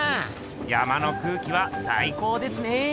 山の空気はさい高ですね。